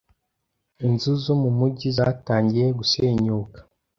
inzu zo mu Mujyi zatangiye gusenyuka.